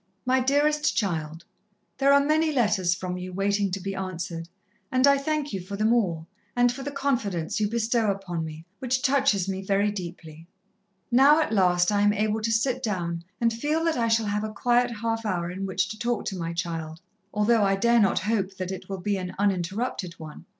"MY DEAREST CHILD, "There are many letters from you waiting to be answered, and I thank you for them all, and for the confidence you bestow upon me, which touches me very deeply. "Now at last I am able to sit down and feel that I shall have a quiet half hour in which to talk to my child, although I dare not hope that it will be an uninterrupted one!